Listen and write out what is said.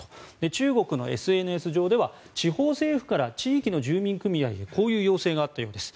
中国のＳＮＳ上では地方政府から地域の住民組合へこういう要請があったようです。